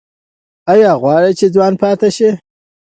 ایا غواړئ چې ځوان پاتې شئ؟